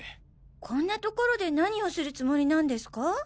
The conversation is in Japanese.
こんなところで何をするつもりなんですか？